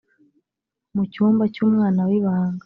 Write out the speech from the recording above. mucyumba cy'umwana wibanga,